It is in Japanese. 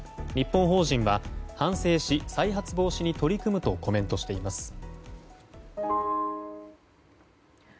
日本法人は反省し再発防止に取り組むとコメントしています。